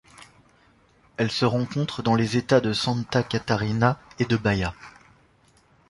Elle se rencontre dans les États de Santa Catarina et de Bahia.